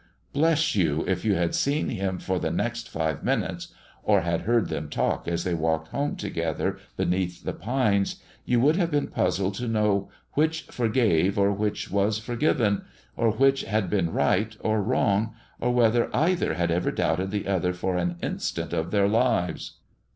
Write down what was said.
Bless you, if you had seen him for the next five minutes, or had heard them talk as they walked home together beneath the pines, you would have been puzzled to know which forgave or which was forgiven, or which had done right or wrong, or whether either had ever doubted the other for an instant of their lives.